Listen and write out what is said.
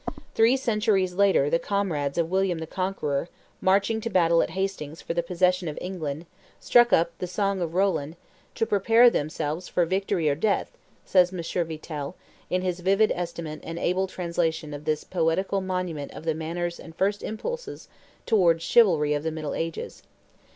Three centuries later the comrades of William the Conqueror, marching to battle at Hastings for the possession of England, struck up The Song of Roland "to prepare themselves for victory or death," says M. Vitel, in his vivid estimate and able translation of this poetical monument of the manners and first impulses towards chivalry of the middle ages.